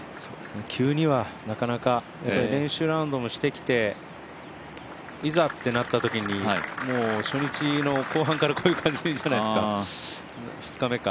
急にはなかなか、練習ラウンドもしてきていざってなったときに初日の後半からこういう感じじゃないですか、２日目か。